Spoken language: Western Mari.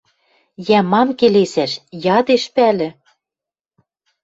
Йӓ, мам келесӓш? Ядеш, пӓлӹ.